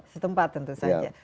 setempat tentu saja